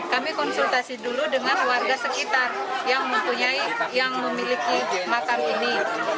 kami konsultasi dulu dengan warga sekitar yang memiliki makam ini